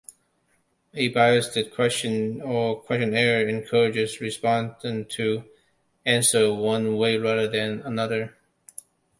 A biased question or questionnaire encourages respondents to answer one way rather than another.